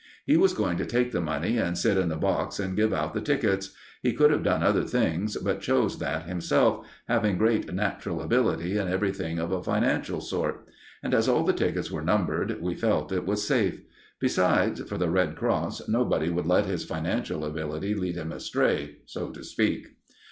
He was going to take the money, and sit in the box and give out the tickets. He could have done other things, but chose that himself, having great natural ability in everything of a financial sort. And as all the tickets were numbered, we felt it was safe. Besides, for the Red Cross, nobody would let his financial ability lead him astray, so to speak.